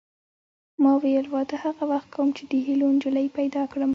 ما ویل واده هغه وخت کوم چې د هیلو نجلۍ پیدا کړم